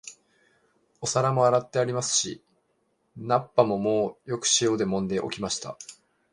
お皿も洗ってありますし、菜っ葉ももうよく塩でもんで置きました